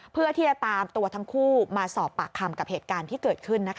เพื่อที่จะตามตัวทั้งคู่มาสอบปากคำกับเหตุการณ์ที่เกิดขึ้น